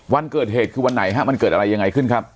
วันเกิดเหตุคือวันไหนฮะมันเกิดอะไรยังไงขึ้นครับ